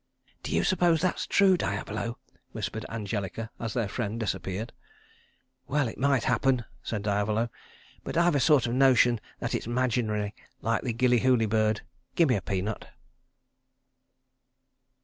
"Do you suppose that's true, Diavolo?" whispered Angelica as their friend disappeared. "Well it might happen," said Diavolo, "but I've a sort of notion that it's 'maginary like the Gillyhooly bird. Gimme a peanut."